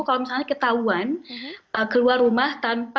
kalau misalnya ketahuan keluar rumah tanpa